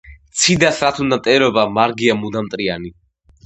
ციდას რად უნდა მტერობა, მარგია მუდამ მტრიანი